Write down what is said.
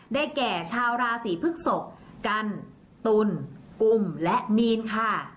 ได้แก่ชาวราศีพึกศกกันตุ้นกุ่มและมีนค่ะ